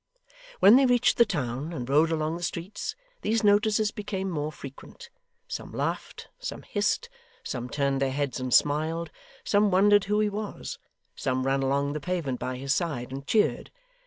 When they reached the town and rode along the streets, these notices became more frequent; some laughed, some hissed, some turned their heads and smiled, some wondered who he was, some ran along the pavement by his side and cheered.